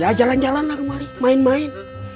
ya jalan jalan lah kemari main main